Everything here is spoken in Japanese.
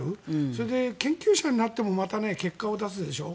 それで研究者になってもまた結果を出すでしょう。